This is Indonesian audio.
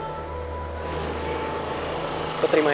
gue terima ya